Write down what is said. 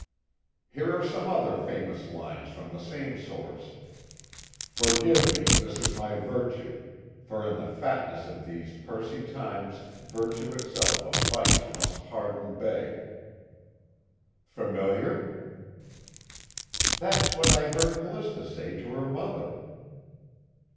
"Here are some other famous lines from the same source: 'Forgive me this my virtue; for in the fatness of these pursy times virtue itself of vice must pardon beg' familiar?" "That's what I heard C'lista say to her mother."